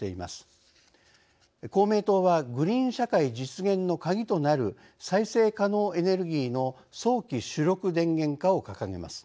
公明党は「グリーン社会実現のカギとなる再生可能エネルギーの早期主力電源化」を掲げます。